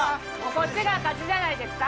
こっちが勝ちじゃないですか？